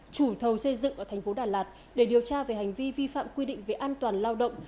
chủ thầu xây dựng ở thành phố đà lạt để điều tra về hành vi vi phạm quy định về an toàn lao động